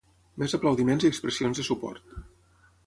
Més aplaudiments i expressions de suport.